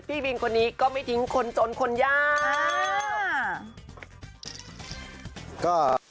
พี่บินคนนี้ก็ไม่ทิ้งคนจนคนยาก